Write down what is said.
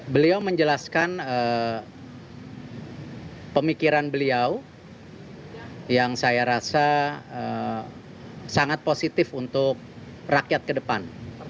beliau menjelaskan pemikiran beliau yang saya rasa sangat positif untuk rakyat ke depan